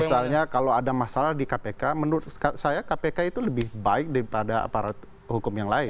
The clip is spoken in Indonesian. misalnya kalau ada masalah di kpk menurut saya kpk itu lebih baik daripada aparat hukum yang lain